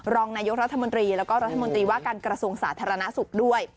รองนายกรัฐมนตรีแล้วก็รัฐมนตรีว่าการกระทรวงสาธารณสุขด้วย